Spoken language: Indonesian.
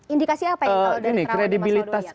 indikasi apa yang kamu udah terangkan